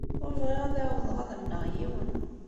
Ur bɣiɣ ad ɛawdeɣ ad amneɣ yiwen.